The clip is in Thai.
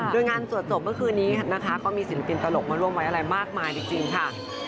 โดยงานสวดจบเมื่อคืนนี้นะคะก็มีศิลปินตลกมาร่วมไว้อะไรมากมายจริงค่ะ